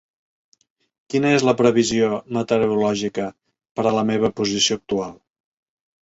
Quina és la previsió meteorològica per a la meva posició actual